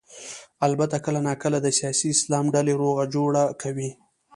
البته کله نا کله د سیاسي اسلام ډلې روغه جوړه کوي.